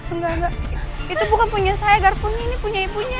enggak enggak itu bukan punya saya garpunya ini punya ibunya